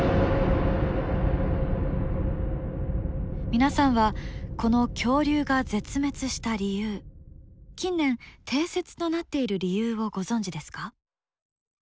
皆さんはこの恐竜が絶滅した理由近年定説となっている理由をご存じですか？